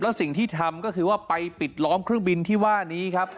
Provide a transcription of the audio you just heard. แล้วสิ่งที่ทำก็คือว่าไปปิดล้อมเครื่องบินที่ว่านี้ครับ